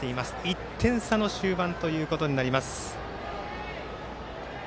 １点差の終盤ということになります。